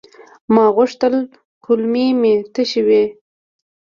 ما غوښتل کولمې مې تشي وي.